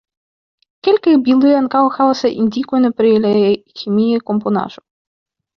Kelkaj bildoj ankaŭ havas indikojn pri la ĥemia komponaĵo.